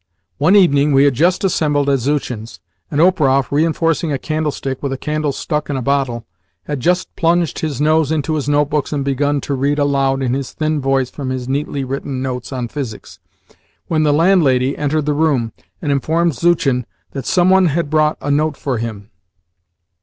One evening we had just assembled at Zuchin's, and Operoff, reinforcing a candlestick with a candle stuck in a bottle, had just plunged his nose into his notebooks and begun to read aloud in his thin voice from his neatly written notes on physics, when the landlady entered the room, and informed Zuchin that some one had brought a note for him...